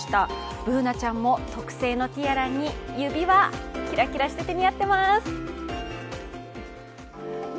Ｂｏｏｎａちゃんも特製のティアラに指輪、キラキラしてて似合ってます。